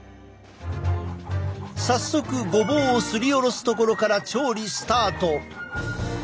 早速ごぼうをすりおろすところから調理スタート！